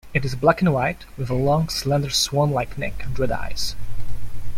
It is black-and-white, with a long, slender, swan-like neck and red eyes.